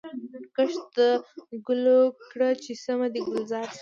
کښت د ګلو کړه چي سیمه دي ګلزار سي